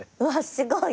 すごい。